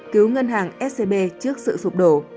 cứu ngân hàng scb trước sự sụp đổ